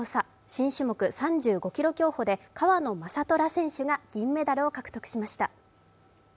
新種目３５ｋｍ競歩で川野将虎選手が銀メダルを獲得しました。